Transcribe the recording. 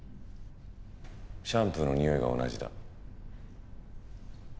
シャンプーのにおいが同じだ。